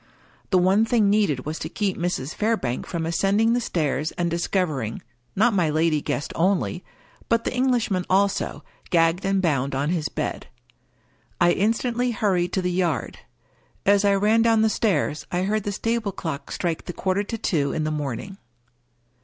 The one thing needed was to keep Mrs. Fairbank from ascending the stairs, and discovering — ^not my lady guest only — but the Englishman also, gagged and bound on his bed. I instantly hurried to the yard. As I ran down the stairs I heard the stable clock strike the quarter to two in the morning.